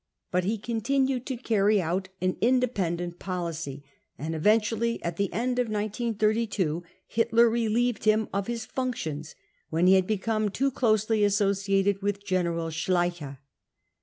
But # he continued to carry out an independenf policy and eventually, at the end of 1932, Hitler relieved him of his functions, when he had become too closely associated with General Schleicher.